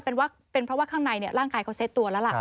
เป็นเพราะว่าข้างในร่างกายเขาเซ็ตตัวแล้วล่ะ